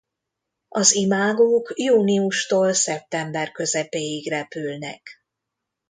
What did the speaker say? Az imágók júniustól szeptember közepéig repülnek.